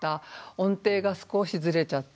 音程が少しずれちゃった。